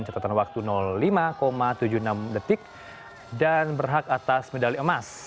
catatan waktu lima tujuh puluh enam detik dan berhak atas medali emas